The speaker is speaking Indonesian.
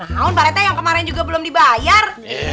nah on parate yang kemarin juga belum dibayar